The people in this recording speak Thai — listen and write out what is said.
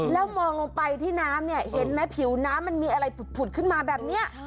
แล้วมองลงไปที่น้ำเนี่ยเห็นไหมผิวน้ำมันมีอะไรผุดขึ้นมาแบบนี้